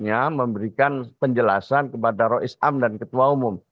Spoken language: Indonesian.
dan bahkan mungkin sebenarnya pkb harusnya memberikan penjelasan kepada roh islam dan ketua islam